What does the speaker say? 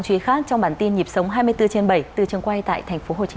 lương y trần văn linh là một lương y có tích cực trong phong trào khám chữa bệnh nhân